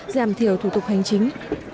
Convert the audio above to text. giảm thiểu thủ tục hành chính